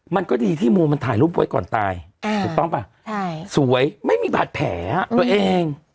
มันก็ดีที่โมมันถ่ายรูปไว้ก่อนตายถูกต้องป่ะสวยไม่มีบาดแผลตัวเอง